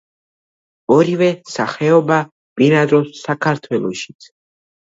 ორივე სახეობა ბინადრობს საქართველოშიც.